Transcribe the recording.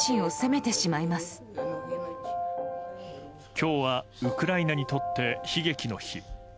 今日はウクライナにとって悲劇の日。